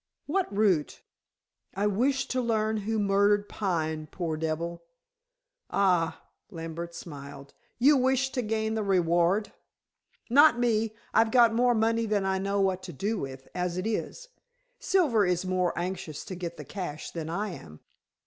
"What root?" "I wish to learn who murdered Pine, poor devil." "Ah," Lambert smiled. "You wish to gain the reward." "Not me. I've got more money than I know what to do with, as it is. Silver is more anxious to get the cash than I am."